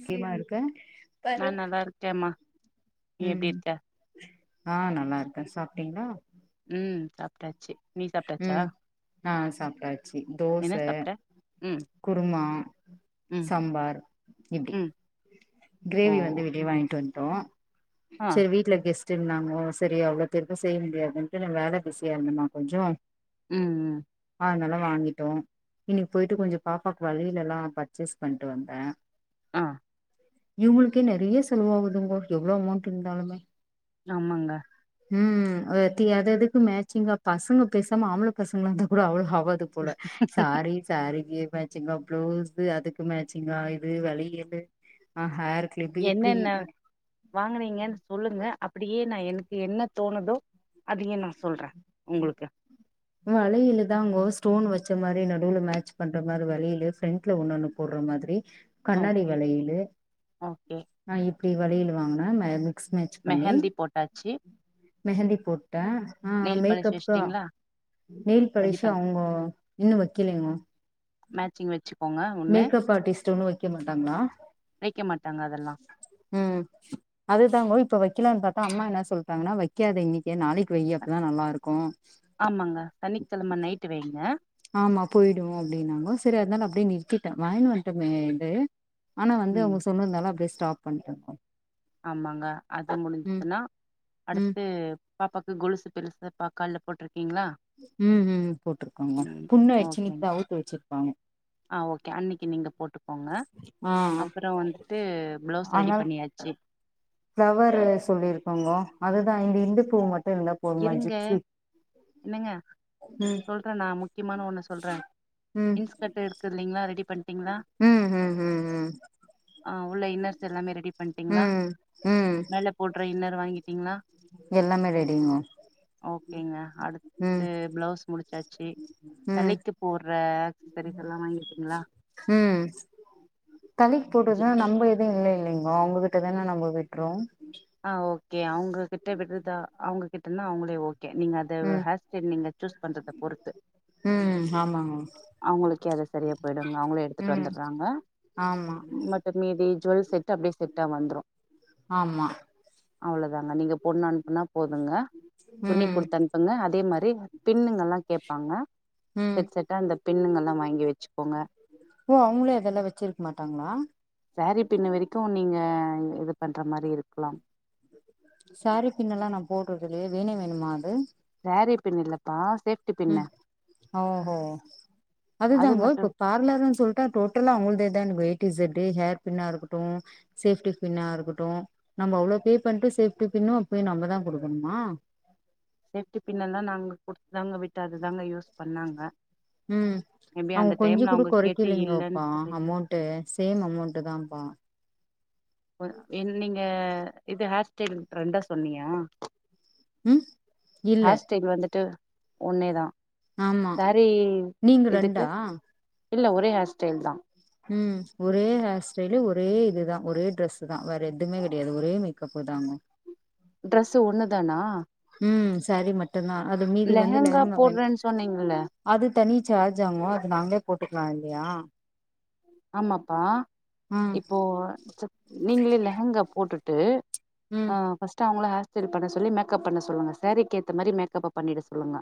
எப்டீமா இருக்க நா நல்லா இருக்கேமா நீ எப்டி ம் இருக்க ஆ நல்லா இருக்க சாப்ட்டீங்ளா ம் சாப்ட்டாச்சு நீ சாப்ட்டாச்சா ம் ஆ சாப்டாச்சு தோச என்ன சாப்ட்ட ம் குருமா ம் சம்பார் இப்டி ம் ஓ கிரேவி வந்து வெளிய வாங்கிட்டு வன்ட்டோ ஆ செரி வீட் ல கெஸ்டு இருந்தாங்கோ செரி அவ்ளோ பேருக்கு செய்ய முடியாதுன்ட்டு வேல பிஸியா இருந்தமா கொஞ்சோ ம் ம் ஆனால வாங்கிட்டோ இன்னிக்கு போயிட்டு கொஞ்சோ பாப்பாக்கு வளயெல்லல்லா பர்ச்சேஸ் பண்ட்டு வந்தன் ஆ இவுங்களுக்கே நெறைய செலவாவுதுங்கோ எவ்ளோ அமௌண்ட் இருந்தாலுமே அமாங்க ம் அதுஎத்தி அததுக்கு மேச்சிங்கா பசங்க பேசாம ஆம்பள பசங்ளா இருந்தா கூட அவ்ளோ ஆவாது போல சாரி சாரிக்கி மேச் சிங்கா ப்ளவுஸ்சு அதுக்கு மேச்சிங்கா இது வளயலு அ ஹேருக் என்னன்ன வாங்குனீங்கன்னு சொல்லுங்க அப்படியே நா எனக்கு என்ன தோணுதோ அதயு நா சொல்ற உங்களுக்கா வளயலுதாங்கோ ஸ்டோன் வச்ச மாரி நடுவுல மேட்ச் பண்ற மாரி வளயலு ஃபிரண்ட்ல ஒன்னொன்னு போர்ற மாதிரி கண்ணாடி ஓகே வளயலு ஓகே நா இப்புடி வளயலு வாங்குனா நா மிஸ்மேச் பண்ணி மெஹந்தி போட்டாச்சு மெஹந்தி போட்ட ஆ நெயில் மெ பாலிஷ் அதுக்கப்றோ வச்சுட்டீங்களா நேல் ரெடி பாலிஷ் பண் அவுங்க இன்னு வைக்கலைங்க மேச்சிங் மேச் வச்சுக்கோங்க ஒண்ணு மேக்கப் ஆர்டிஸ்ட்ன்னு வைக்க மாட்டாங்களா வைக்க மாட்டாங்க அதெல்லா ம் அதுதாங்க இப்ப வைக்கலாம்னு பார்த்தா அம்மா என்ன சொல்லிட்டாங்கன்னா வைக்காத இன்னைக்கே நாளைக்கு வை அப்பதான் நல்லா இருக்கும் ஆமாங்க சனிக்கிக்கிழமை நைட்டு வைங்க ஆமா போய்டும் அப்டின்னாங்கோ சேர் அதனால அப்டியே நிற்திட்டேன் வாய்னு வன்ட்டோமே இது ஆனா வந்து ம் அவங்க சொன்னதுனால அப்டியே ஸ்டாப் பண்ணிட்டு இருக்கோம் ஆமாங்க அது முடிஞ்சுதுன்னா ம் அடுத்து பாப்பாவுக்கு கொலுசு பெருசா பாக் கால்ல போட்டிருக்கீங்களா ம்ம்ம் போட்டுருக்காங்க ம் புண்ணு ஆயிடிச்சினு ஓகேங்க இப்ப அவுத்து வச்சிருப்பாங்க ஆ ஓகே அன்னிக்கு நீங்க போட்டுக்கோங்க ஆ அப்புறம் வந்துட்டு பிளவுஸ் ரெடி பண்ணியா செர் பிளவர்ரு சொல்லியிருக்கோங்கோ அதுதான் இந்த இந்து பூ மட்டும் இருந்தா போதமா இருங்க ஜிக்சி என்னங்க சொல்றேன் நான் முக்கியமான ஒன்னு சொல்றேன் ம் இன்ஸ் கட்டு இருக்குல்லலைங்களா ரெடி பண்ணிட்டீங்களா ம் ம் ம் ம் ஆ உள்ள இன்னர்ஸ் எல்லாமே ரெடி பண்ணிட்டீங்களா ம் ம் மேலே போடுற இன்னர் வாங்கிட்டீங்களா எல்லாமே ரெடிங்க ஓகேங்க அடுத்து பிளவுஸ் முடிச்சாச்சு ம் தலைக்கு போட்ற சாரீஸ் எல்லாம் வாங்கிட்டீங்களா ம் தலைக்கு போடுதுன்னா நம்ம எடு இல்லை இல்லைங்க அவுங்ககிட்டதானே நம்ம விட்றோம் ஆ ஓகே அவங்ககிட்ட விடுதா அவங்ககிட்டன்னா அவங்களே ஓகே நீங்க அத ம் ஹேர் சேர் நீங்க சுயூஸ் பண்றத பொறுத்து ம்ம் ஆமாங்க அவங்களுக்கே அத செரியா போயிடுங்க அவங்களே எடுத்துட்டு ம் வந்துடுறாங்க ஆமா மத் தமீதி ஜுவல் செட் அப்டியே செட்டா வந்துரும் ஆமா அவ்ளோதாங்க நீங்க பொண்ணு அனுப்புனா போதுங்க துணி ம் குடுத்து அனுப்புங்க அ அதே மாரி பின்னுுங்கல்லாம் கேட்பாங்க ம் செட் செட்டா அந்த பின்னுங்கலாம் வாங்கி வச்சுக்கோங்க ஓ அவுங்களே அதெல்லாம் வச்சிருக்க மாட்டாங்களா செரி பின்னு வரைக்கு நீங்க இது பண்ற மாதிரி இருக்கலா செரீ பின்னுல்லா நா போட்டுறது இல்லையே வேணு வேணுமா அது செரீ பின் இல்லப்பா சேஃப் உ ஓஹோ அது தாங்க இப்ப பார்லர்ன்னனு சொல்லிட்டா டோட்டலா அவுங்களதா எனக்கு வெயிட் இஸ் எ் ஹேர் பின்னா இருக்கட்டு சேஃப்டி பின்னா இருக்கட்டு நம்ம அவ்வளோ பே பண்ணிட்டு சேப்டி பின்னு அப்யு நம்ம தா கொடுக்கணுமா சேஃப்டி பின்ல்லா நாங்க கொடுத்துதாங்க விட்டு அது தாங்க யூஸ் பண்ணாங்க உ மேபி அவுங்க அந்த கொஞ்சோ டைம்ல கூட அவங்க கேட்டு இல்லன்னு குறைக்கலலைங்களப்பா சொல்லிட்டாங்க அமௌன்ட் ட்டு சேம் அமௌன்ட் தான்பா நீங்க இது ஹேர் ஸ்டேல் ரெண்டா சொன்னீயா ம் இல்ல ஹாஸ்டைல் வந்துட்டு ஒன்னேதா ஆமா சாரீ நீங்க ரெண்டா இதுக்கு இல்ல ஒரே ஹேர்ஸ்டைல் தா ம் ஒரே ஹேர் ஸ்டைல ஒரே இதுதா ஒரே ட்ரெஸ்தா வேற எதுவுமே கிடையாது ஒரே மேக்கப் தாங்க டிரஸ் ஒன்னுதானா ம் சாரீ மட்டும்தா அது மீதி வந்து லெஹங்கா லெகங்க வேணு போடுறேன்னு சொன்னீங்கல்ல அது தனி சார்ஜாங்க அது நாங்களே போட்டுக்கலா இல்லையா ஆமாப்பா ம் இப்போ நீங்க லெகங்கா போட்டுட்டு ம் ஆ ஃபர்ஸ்ட் அவுங்கள ஹாஸ்டல் பண்ண சொல்லி மேக்கப் பண்ண சொல்லுங்க சரீக்கு ஏத்த மாதிரி மேக்கப்ப பண்ணிட்டு சொல்லுங்க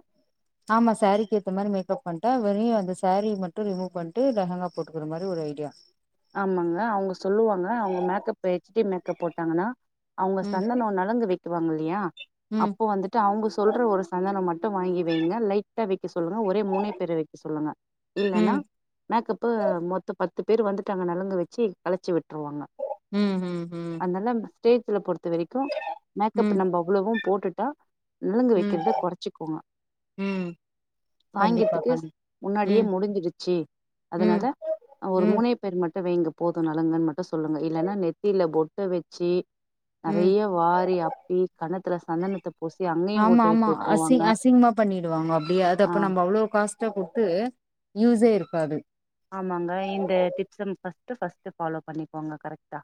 ஆமா சாரீக்கு ஏத்த மாதிரி மேக்கப் பண்ணிட்டா வெறு அந்த சாரீ மட்டு ரிமோ பிட்டு லெங்கா போட்டுக்கிற மாதிரி ஒரு ஐடியா ஆமாங்க அவுங்க சொல்லுவாங்க அவுங்க மேக்கப் ஹெச்டடி மேக்கப் போட்டாங்கன்னா அவுங்க ம் சந்தனோ நலங்கு வைக்குவாங்க இல்லையா ம் அப்போ வந்துட்டு ஃபஸ்ட் அவுங்க சொல்ற ஒரு சந்தனோ மட்டு வாங்கி வைங்க லைட்டா வைக்க சொல்லுங்க ஒரே மூணே பேர வைக்க சொல்லுங்க இலன்னா ம் மேக்கப்பு மொத்தோ பத்து பேர் வந்துட்டு அங்க நலங்கு வெச்சு கழச்சி விட்டுருவாங்க உ உ அதனால ஸ்டேஜ்ல பொறுத்த வரைக்கு ம் மேக்கப் நம்ம அவ்ளவு போட்டுட்டா நலங்கு ம் வைக்கிறத குறச்சிக்கோங்க ம் கண்டிப்பா சாங்கத்துக்கு கண்டி முன்னாடியே ம் முடிஞ்சிடுச்சு அதுனால ம் ஒரு ம் மூணே பேர் மட்டு வைங்க போது நலுங்கன்னு மட்டு சொல்லுங்க இல்லன்னா நெத்தியில பொட்டு வெச்சு ம் நெறைய வாரி அப்பி கண்ணத்துல சந்தனத்த பூசி அங்கேயு ஆமா பொட்டு வச்சு ஆமா அசி விட்டுருவாங்க அசிங்கமா பண்ணிடுவாங்க அப்டியே அது ஆ அப்ப நம்ம அவ்ளோ காச ச குடுத்து யூஸே இருக்காது ஆமாங்க இந்த tips first first first follow பண்ணிக்கோங்க கரெக்டா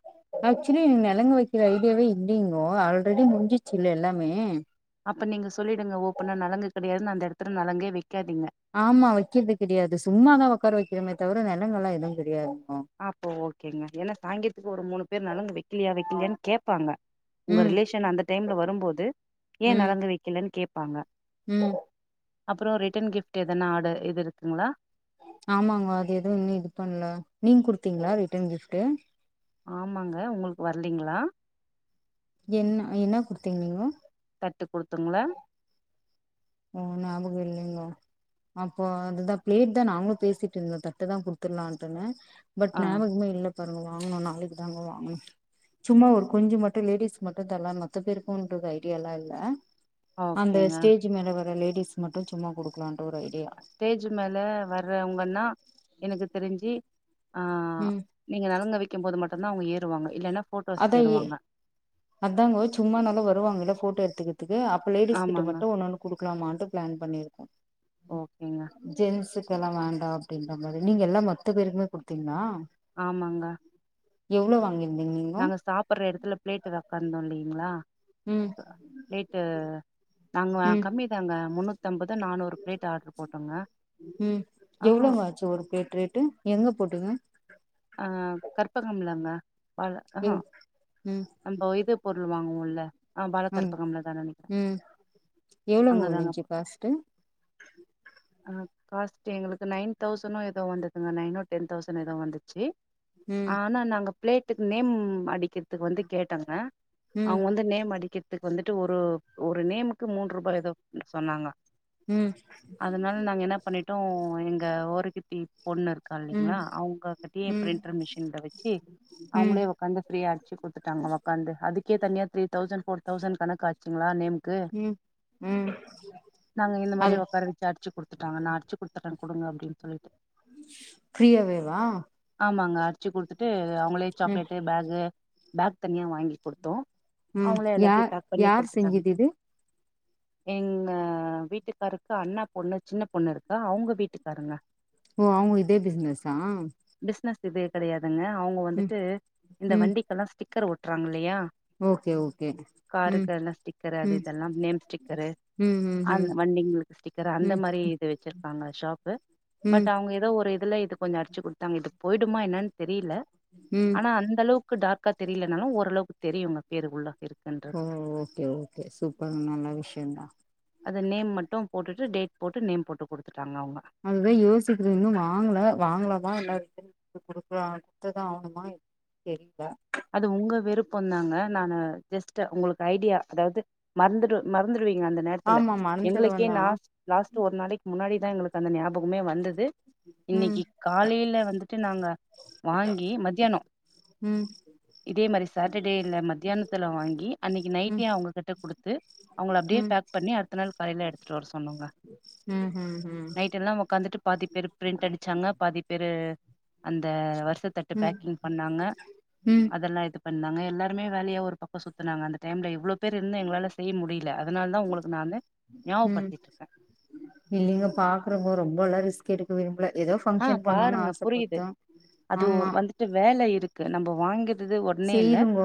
ஆக்சுவலி நலுங்கு வைக்கிற ஐடியாவே இல்லைங்கோ ஆல்ரெடி முடிஞ்சிச்சுல்ல எல்லாமே அப்ப நீங்க சொல்லிடுங்க ஓபனா நலங்கு கிடையாதுன்னு அந்த இடத்துல நலங்கே வைக்காதீங்க ஆமா வைக்கிறது கிடையாது சும்மா தா உக்கார வைக்கிறமே தவிர நலங்கு எல்லா எதுவு தெரியாது‌ இப்போ அப்போ ஓகேங்க ஏன்னா சாங்கத்துக்கு ஒரு மூணு பேர் வெக்கலியா வெக்கலையான்னு கேப்பாங்க உங்க ம் ரிலேஷன் அந்த டைம்ல வருபோது ஏ நலங்கு வெக்கலன்னு கேபாங்க உ அப்றோ ரிட்டன் கிஃப்ட் எதன ஆர்டர் இது இருக்குங்களா ஆமாங்க அது எதுவு இன்னு இது பண்ணல நீங்க குடுத்தீங்களா ரிட்டன் கிஃப்ட்டு ஆமாங்க உங்களுக்கு வரலீங்களா என்ன என்ன கொடுத்தீங்க நீங்க தட்டு குடுத்துங்களா ஓ ஞாபக இல்லைங்கோ அப்போ அதுதா பிளேட் தா நாங்களும் பேசிட்டு இருந்தோ தட்டு தா குடுத்துல்லான்ட்டுனு பட் ஆ ஞாபகமே இல்ல பாருங்க வாங்கணு நாளைக்கு தாங்க வாங்கணு சும்மா ஒரு கொஞ்சோ மட்டும் லேடிஸ்க் மட்டும் தர்ல்லா மத்த பேருக்கும்ன்றது ஐடியல்லா இல்ல அந்த ஓகேங்க ஸ்டேஜ் மேல வர லேடிஸ் மட்டும் சும்மா குடுக்கலாம்ட்டு ஒரு ஐடியா ஸ்டேஜ் மேல வர்றவங்கன்னா எனக்கு தெரிஞ்சு ஆ ம் நீங்க நலங்கு வெக்கும் போது மட்டும் தா அவங்க ஏறுவாங்க இல்லன்னா போட்டோஸ்க் ஏறுவாங்க அதாங்க சும்மா நல்ல வருவாங்கள்ல போட்டோ எடுத்துக்குத்துக்கு அப்போ லேடிஸ் கிட்ட ஆமாங்க மட்டு ஒன்னொன்னு குடுக்கலாமான்ட்டு பிளான் பண்ணிருக்கோ ஓகேங்க ஜென்ஸுக்கு‌ எல்லா வேண்டா அப்டிங்கற மாரி நீங்க எல்லா மொத்த பேருக்குமே குடுத்தீங்ளா ஆமாங்க எவ்ளோ வாங்குனிங் நாங்க சாப்புற எடத்துல பிளேட்டு் ரஃப்பன்னோ இல்லீங்ளா ம் பிளேட்டு நாங்க ம் கம்மிதா மேம் முன்னூத் தி அம்பது நானூறு பிளேட் ஆட்ரு போட்டோங்க ம் அ ஆ எவ்ளோங்க ஆச்சு ஒரு பிளேட்டு ரேட்டு எவ்ளோ பிளேட்டுங்க ஆ கற்பகம்லாங்க எவ்ளோ ம் அந்த இது பண்ணுவாங்கள ஆ ம் பாலக்கற்பகம்ல தா நெனைக்கிற ஃபர்ஸ்ட்டு அ காஸ்ட்டு எங்களுக்கு நைன் தவுசனோ ஏதோ வந்ததுங்க நைனோ டென் தவுசண்ட் ஏதோ வந்துச்சு ம் ஆனா நாங்க பிளேட்டுக்கு நேம் அடிக்கிற்த்துக்கு வந்து கேட்டங்க ம் அவங்க வந்து நேம் அடிக்கிற்த்துக்கு வந்துட்டு ஒரு ஒரு நேமுக்கு மூன்ரூபா ஏதோ சொன்னாங்க ம் அதனால நாங்க என்ன பண்ணிட்டோ எங்க ஓரகத்தி பொண்ணு இருக்கா ம் இல்லிங்ளா அவங்க கிட்டயே ம் பிரிண்டர் மிஷின்ல வச்சு ம் அவங்ளே ஒக்காந்து ஃப்ரீயா அச்சி குத்துட்டாங்க ஒக்காந்து அதுக்கே தனியா த்ரீ தவுசண்ட் ஃபோர் தவுசண்ட் கணக்காட் ம் ம் நாங்க இந்த மாரி அது ஒக்கார வச்சு அடிச்சு குடுத்துட்டாங்க நா அடிச்சு குடுத்துர்ற குடுங்க அப்டின் சொல்லிட்டு ஃப்ரீயாவே வா ஆமாங்க அடிச்சுக் குடுத்துட்டு அவங்களே ம் சாக்லேட்டு பேகு பேக் தனியா வாங்கி குடுத்தோம் ம் அவங்கள எல்லாத்தையு யார் பேக் பண்ணி யார் குடுத்துட்டாங்க செஞ்சது இது எங்க வீட்டுக்காருக் கு அண்ணா பொண்ணு சின்ன பொண்ணு இருக்கா அவங்க வீட்டுக்காருங்க ஓ அவங்களோ இதே பிஸ்னஸ்ஸா பிஸ்னஸ் இது கெடயாதுங்க அவங்க ம் வந்துட்டு இந்த ம் வண்டிக்கெல்லா ஸ்டிக்கர் ஒட்டுறாங்க இல்லையா ஓகே ஓகே ம் காருக்கு என்னா ஸ்டிக்கரு அது ம் இதெல்லா நேம் ஸ்டிக்கரு ம் ம் அந்த ம் வண்டிங்களுக்கு ஸ்டிக்கரு அந்த ம் மாரி வச்சிருக் க்காங்க ஷாப்பு ம் பட் அவங்க ஏதோ ஒரு இதுல இது கொஞ்சோ அடிச்சு கொடுத்திருக்காங்க நம்முள்து போய்டுமா என்னன் தெரியல ம் ஆனா அந்த அளவுக் கு டார்க்கா தெரியிலனாலு ஓரளவுக்கு தெரியுங்க பேரு உள்ள இருக்குன்ற ம் ஓகே ஓகே சூப்பர் நல்ல விஷ்யோ தா அதில் நேம் மட்டும் போட்டுட்டு டேட் போட்டு நேம் போட்டு குடுத்துட்டாங்க அவங்க அதுதா யோசிக்கிற இன்னு வாங்கல வாங்லாமா இல்ல ரிட்டன் [unintelligible] குத்துதா ஆவணுமா [inaudible] தெரில அது உங்க விருப்பந்தாங்க நானு ஜஸ்ட்டு உங்களுக்கு ஐடியா அதாவ்து மறந்துடு மறந்துடுவீங்க அந்த நேரத்துல ஆமா எங்களுக்கே மறந்துருவனா நாஸ் லாஸ்ட்டு ஒரு நாளைக் முன்னாடிதா எங்களுக் அந்த ஞாபகமே வந்தது ம் இன்னிக்கு காலையில வந்துட்டு நாங்க வாங்கி மதியானோ ம் இதே மாரி சாட்டடேல மத்தியானத்துல வாங்கி அன்னைக்கி ம் நைட்டே அவுங்ககிட்ட குடுத்து அவுங்கள அப்டியே ம் பேக் பண்ணி அடுத்த நாள் காலையில எடுத்துட்டு வர சொன்னோங்க ம் ம் ம் நைட்டெல்லா உக்காந்துட்டு பாதி பேரு ப்ரிண்ட் அடிச்சாங்க பாதி பேரு அந்த வருசத்தட்டு ம் பேக்கிங் பண்ணாங்க ம் அதெல்லா இது பண்ணா எல்லாருமே வேலையா ஒருபக்கோ சுத்துனாங்க அந்த டைம்ல எவ்ளோ பேர் இருந்து எங்களால செய்ய முடியல அதனால்தா உங்களுக்கு நா வந்து ஞாவ்படுத்திட்ருக்கே இல்லிங்க பாக்குறங்க ரொம்பல்லா ரிஸ் கெடுக்க விரும்பல எதோ ஆ ஃபங்க்ஷன் பண்ணுன் பாருங்க ஆசப்பட்டோ ஆமா து வேல இருக்கு நம்ப வாங்க செய்ருங்கோ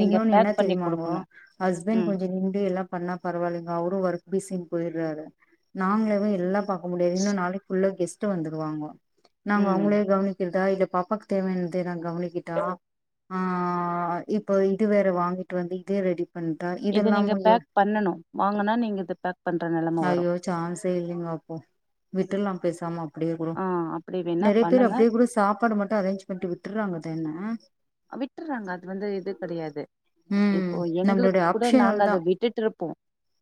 இன்னொன்னு என்ன பேக் பண்ணி தெரியுமாங்கோ குடுக்கணு ஹஸ்பண் ம் கொஞ்ச நின்டு எல்லா பண்ணா பரவாயில்லைங்கோ அவுரு ஒர்க் பிஸின் போய்றாரு நாங்ளேவே எல்லா பா முடியாது இன்னு நாளைக்குள்ள கெஸ்ட்டு வந்துருவாங்கோ நாங்கோ ம் அவுங்களே கவனிக் கிர்தா இல்ல பாப்பாக்கு தேவையான்த நா கவனிக்கிட்டா ஆ இப்போ இது வேற வாங்கிட்டு வந்து இதே ரெடி பண்தா இத நீங்க பேக் பண்ணணு வாங்கனா நீங்க இது பேக் பண்ற நெலம வரு சான்சே இல்லிங்கோ அப்போ விட்டுல்லா பெசாமா அ ப்டியே கூடோ ஆ அப்டி வேணா நெறைய பேரு பண்ணுங்க அப்டியே கூடோ சாப்பாடு மட்டு அரேஞ்ச் பண்ட்டு விட்டுற்றாங்க தான விட்டுற்றாங்க அது வந்து இது கெடயாது ம் இப்போ எங்களுக்கு நம்மளுடைய கூட நாங்க ஆப்ஷனல் தா அத விட்டுட்டுருப்போ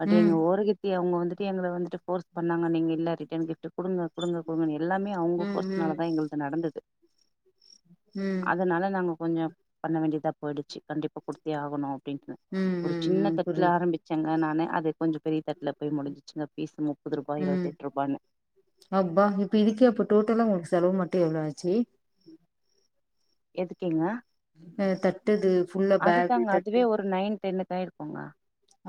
பட் ம் எங்க ஓருகத் தி அவுங்க வந்துட்டு எங்கள வந்துட்டு போர்ஸ் பண்ணாங்க நீங்க இல்ல ரிட்டன் கிஃப்ட்டு குடுங்க குடுங்க குடுங்கன் எல்லாமே ம் அவுங்க ம் போர்ஸ்னால தா எங்கள்து நடந்தது ம் அதனால நாங்க கொஞ்சோ பண்ண வேண்டியதா போயிடிச்சு கண்டிப்பா குடுத்தே ஆகணு அப்டினு ம் ஒரு ம் சின்ன ம் தட்ல புரியுது ஆரம்பி ச்சங்க நானு அது கொஞ்சோ பெரிய தட்ல போய் முடிஞ்சிச்சுங்க பீசு முப்பது ரூபாய் ம் இருவத்தெட்ருபானு அப்பா இப்ப இதுக்கே அப்போ டோட்டலா உங்ளுக்கு செலவு மட்டோ எவ்ளோ ஆச்சு எதுக்கிங்க அ தட்டுது ஃபுல்லா பேகு அதுதாங்க தட்டு அதுவே ஒரு நைன் டென்னுக்காயிருக்கோங்க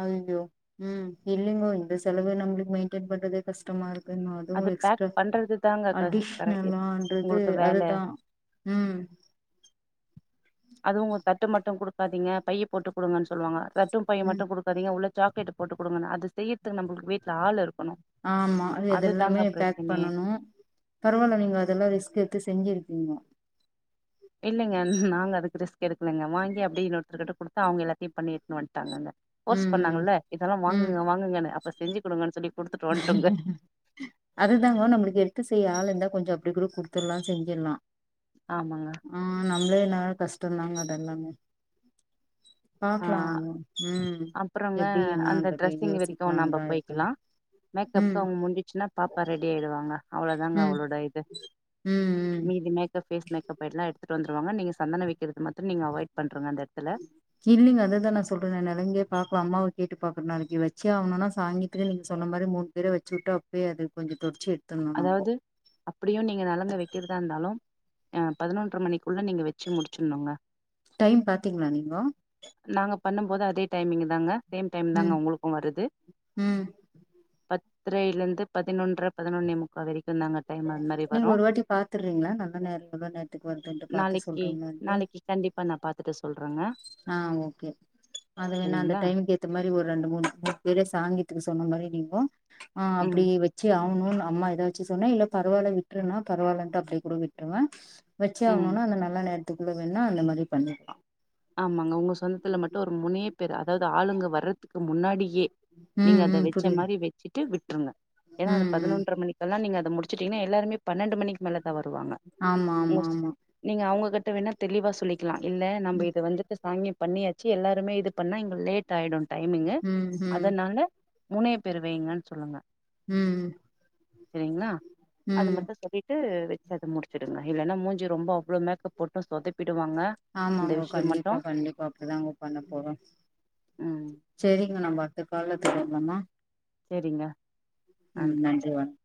அய்யோ ம் இல்லிங்கோ இந்த செலவு நம்ப்ளுக் மென்ட்டென் பண்றது கஷ்டமா இருக்கு இன்னு அதுவு அது பேக் எக்ஸ்ட்ரா பண்றது தாங்க க கரெ அடிஷ்னலான்றது உங்களுக்கு வேல அதுதா ம் அதுவு தட்டு மட்டு குடுக்காதீங்க பையி போட்டு குடுங்கன் சொல்லுவாங்க தட்டு பையு ம் மட்டு குடு க்காதிங்க உள்ள சாக்லேட்டு போட்டு குடுங்கனு அது செய்யுர்த்துக்கு நம்ப்ளுக்கு வீட்ல ஆள் இருக்கணு ஆமா அது இது அதுதாங்க எல்லாமே பேக் பிரச்சனையே பண்ணனு பரவால்ல நீங்க அதெல்லா ரிஸ்க்கெத்து செஞ்சிருக்கீங்கோ இல்லிங்க நாங்க அதுக்கு ரிஸ்க் எதுக்குங்க வாங்கி அப்டியே இன்னொருத்தருர்கிட்ட குடுத்தா அவுங்க எல்லாத்தையு பண்ணி எட்த்துனு வன்ட்டாங்கங்க ஃபோர்ஸ் ம் ம் பண்ணாங்கல்ல இதெல்லா வாங்குங்க வாங்குகன்னு அப்ப செஞ்சு குடுங்கன்னு சொல்லி குடுத்துட்டு எஹ வன்ட்டோங்க எஹஹ அதுதாங்கோ நம்ளுக்கு எட்த்து செய்ய ஆள் இருந்தா கொஞ்சோ அப்டி கூட குட்த்துடலா செஞ்சில்லா ஆமாங்க ஆ நம்மளேனால்லே கஷ்டம்ந்தாங்க அதெல்லாமே ஆ பாக்கலாம்ங்க ம் ம் அப்புறங்க எப்டி அந்த என்னான்றது யோசிக்கலாம்தா இருக்க மேக்கப்பு அவுங்க முடிஞ்ச்சுன்னா பாப்பா ரெடி ஆயிடுவாங்க அவ்ளோதாங்க ம் அவளோட இது ம் ம் மீதி மேக்கப் பேஸ் நெக் அப்போ எல்லா எடுத்துட்டு வந்துருவாங்க நீங்க சந்தன வெக்கிறது மட்டு நீங்க அவாய்ட் பண்றுங்க அந்த எட்த்துல இல்லிங்க அதுதா நா சொல்றனே நெலங்கே பாக்கல அம்மாவ கேட்டு பாக்கற நாளைக்கு வச்சே ஆகணும்னா சாங்கிய நீங்க சொன்ன மாரி மூணு பேர வெச்சூட்டு அப்பயே அது கொஞ்சோ தொட்ச்சு எடு அதாவது அப்படியு நீங்க நலங்கு வெக்கிறதா இருந்தாலு அ பதினொன்ற மணிக்குள்ள நீங்க வெச்சு முட்ச்சிணுங்க டைம் பாத்தீங்ளா நீங்கோ நாங்க பண்ணும்போது அதே டைமிங் தாங்க சேம் டைம் தாங்க ம் உங்ளுக்கு வருது ம் பத்ரைலிந்து பதினொன்ற பதினொன்னேயே முக்கா வரைக்கும் தாங்க டைம் அ நீங்க ஒரு வாட்டி பாத்துறீங்ளா நல்ல நேரோ எவ்ளோ நேரத்துக்கு வருதுன்ட்டு பாத்து சொல்ற மாரி நாளைக்கி கண்டிப்பாக நா பாத்துட்டு சொல்றங்க ஆ ஓகே அது வேண்ணா அந்த டைம்க்கு கேத்த மாரி ஒரு ரெண்டு மூணு பேர சாங்கியத்துக்கு சொன்ன மாரி நீங்கோ ஆ ம் அப்டியே வெச் சி ஆவ்னுன் அம்மா எதாச்சி சொன்னா இல்ல பரவால்ல விட்டுருன்னா பரவாலன்ட்டு அப்டியே கூட விட்டுருவே வெச்சே ம் ஆவுணுன்னா அந்த நல்ல நேரத்துக்குள்ள வேண்ணா அந்த மாரி பண்ணிக்லா ஆமாங்க உங்க சொந்தத்துல மட்டோ ஒரு மூணே பேரு அதாவது ஆளுங்க வர்றத்துக்கு முன்னாடியே நீங்க ம் அத ம் வெச்ச புரியுது மாரி வெ சிட்டு விட்டுருங்க ஏனா அது ம் ம் பதினொன்டர மணிக்கெல்லா நீங்க அத முடிச்சுட்டீங்கன்ன எல்லாருமே பன்னெண்டு மணிக்கு மேல தா வருவாங்க ஆமா ஆமா மோஸ் ஆமா நீங்க அவுங்ககிட்ட வேண்ணா தெளிவா சொல்லிக்கலா இல்ல நம்ம ம் இத வந்துட்டு சாங்கியோ பண்ணியாச்சி எல்லாருமே இது பண்ணா இங்க லேட் ஆயிடு டைமிங்கு ம் ம் அதனால மூணே பேரு வெய்ங்கன் சொல்லுங்க ம் ம் செரிங்களா அது மட்டோ சொல்லி ட்டு வெச்சு அத முடிச்சுடுங்க இல்லனா மூஞ்சி ரொம்ப அவ்ளோ மேக்கப் போட்டும் சொதப்பிடுவாங்க இந்த ஆமாங்க விஷயம் மட்டு கண்டிப்பா கண்டிப்பா அப்டிதாங்க பண்ண போறோ ம் செரிங்க நம்ம அடுத்த காலு தொடர லாமா செரிங்க ம் நன்றி வணக்